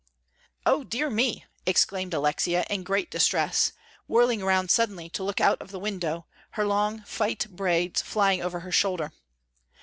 "O dear me!" exclaimed Alexia, in great distress, whirling around suddenly to look out of the window, her long, fight braids flying over her shoulder.